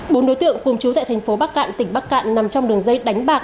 bốn đối tượng cùng chú tại thành phố bắc cạn tỉnh bắc cạn nằm trong đường dây đánh bạc